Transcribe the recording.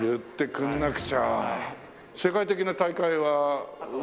世界的な大会はどう。